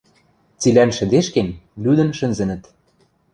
Цилӓн шӹдешкен, лӱдӹн шӹнзӹнӹт.